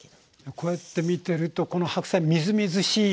こうやって見てるとこの白菜みずみずしい。